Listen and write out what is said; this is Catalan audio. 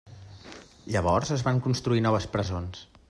Llavors es van construir noves presons.